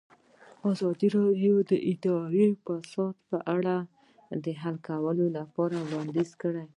ازادي راډیو د اداري فساد په اړه د حل کولو لپاره وړاندیزونه کړي.